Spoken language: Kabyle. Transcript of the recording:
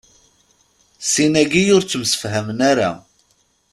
Sin-agi ur ttemsefhamen ara.